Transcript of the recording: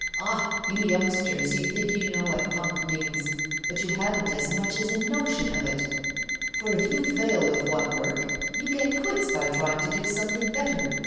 Ah! you youngsters, you think you know what funk means; but you haven't as much as a notion of it, for if you fail with one work, you get quits by trying to do something better.